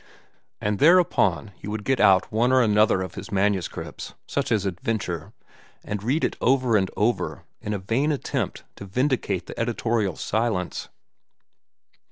And thereupon he would get out one or another of his manuscripts, such as "Adventure," and read it over and over in a vain attempt to vindicate the editorial silence.